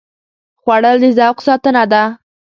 خوړل د ذوق ساتنه ده